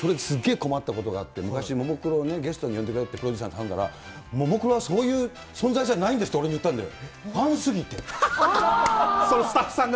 困ったことがあって、昔ももクロをゲストに呼んでくれってプロデューサーに頼んだら、ももクロはそういう存在じゃないんですって、俺に行ったんだよ、スタッフさんが。